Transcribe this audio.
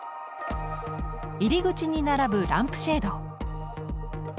入り口に並ぶランプシェード。